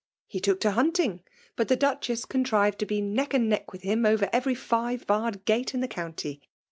He took to hunting ; but the Duchess contrived to be neck and neck with him over every five barred gate in the county.